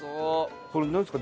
これなんですか？